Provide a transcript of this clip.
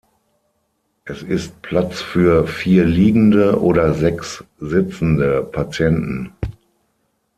Es ist Platz für vier liegende oder sechs sitzende Patienten.